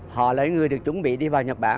họ là những người được chuẩn bị đi vào nhật bản